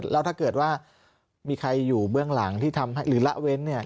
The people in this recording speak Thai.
แล้วถ้าเกิดว่ามีใครอยู่เบื้องหลังที่ทำให้หรือละเว้นเนี่ย